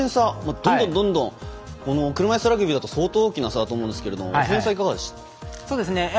どんどんどんどん車いすラグビーだと相当大きな差だと思うんですがいかがでしたか。